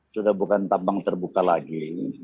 sudah bukan tambang terbuka lagi